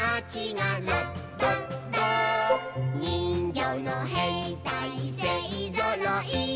「にんぎょうのへいたいせいぞろい」